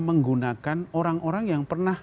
menggunakan orang orang yang pernah